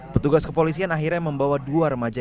petugas kepolisian akhirnya membawa dua remaja